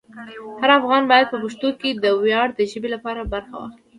هر افغان باید په پښتو کې د ویاړ د ژبې لپاره برخه واخلي.